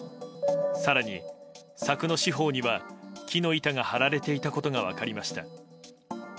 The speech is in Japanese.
更に、柵の四方には木の板が貼られていたことが分かりました。